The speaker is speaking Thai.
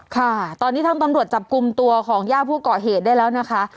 ค่ะตอนนี้ทางตำรวจจับกลุ่มตัวของย่าผู้ก่อเหตุได้แล้วนะคะ